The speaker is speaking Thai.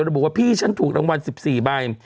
บอกว่าพี่ฉันถูกรางวัล๑๔ใบ